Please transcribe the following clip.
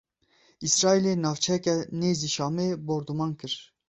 Îsraîlê navçeyeke nêzî Şamê bordûman kir.